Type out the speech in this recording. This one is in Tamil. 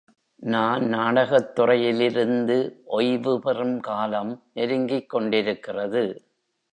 நான் நாடகத் துறையிலிருந்து ஒய்வு பெறும் காலம் நெருங்கிக் கொண்டிருக்கிறது.